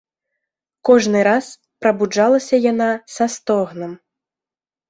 Кожны раз прабуджалася яна са стогнам.